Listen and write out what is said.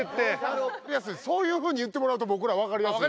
そういう風に言ってもらうと僕らわかりやすいです。